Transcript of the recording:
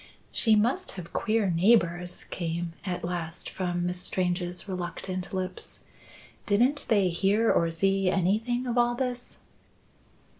"She must have queer neighbours," came at last, from Miss Strange's reluctant lips. "Didn't they hear or see anything of all this?"